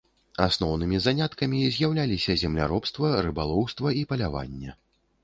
Асноўнымі заняткамі з'яўляліся земляробства, рыбалоўства і паляванне.